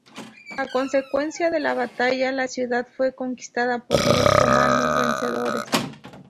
A consecuencia de la batalla, la ciudad fue conquistada por los romanos vencedores.